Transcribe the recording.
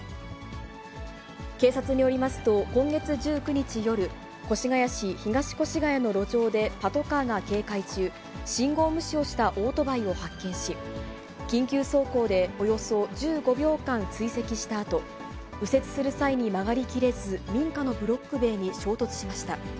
警察によりますと、今月１９日夜、越谷市東越谷の路上でパトカーが警戒中、信号無視をしたオートバイを発見し、緊急走行でおよそ１５秒間追跡したあと、右折する際に曲がりきれず、民家のブロック塀に衝突しました。